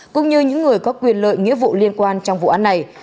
cũng như những người có quyền lợi nghĩa vụ liên quan trong vụ án này